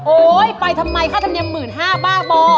โอ๊ยไปทำไมข้าทำเนียมหมื่นห้าบ้าบอ